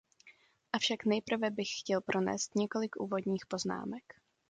Avšak nejprve bych chtěl pronést několik úvodních poznámek.